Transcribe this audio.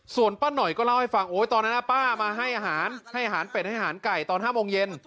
ส่วนป้าหน่อยก็เล่าให้ฟังโอ๊ยตอนนั้นป้ามาให้อาหารให้อาหารเป็ดให้อาหารไก่ตอน๕โมงเย็น